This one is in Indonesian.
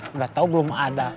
enggak tahu belum ada